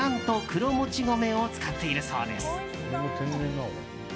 黒もち米を使っているそうです。